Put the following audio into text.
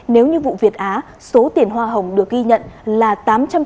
nếu như vụ việt á số tiền hoa hồng được ghi nhận là tám trăm linh tỷ đồng